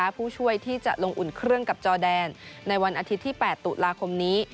ผู้ช่วยที่จะลงอุ่นเครื่องกับจอแดนในวันอาทิตย์ที่๘ตุลาคมนี้